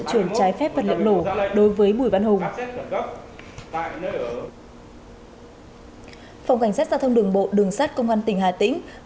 phòng cảnh sát giao thông đường bộ đường sát công an tỉnh hà tĩnh